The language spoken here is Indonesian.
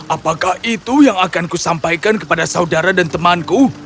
apakah itu yang akan kusampaikan kepada saudara dan temanku